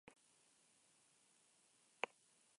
Abestia bukatzen denean beste bat jarriko dugu.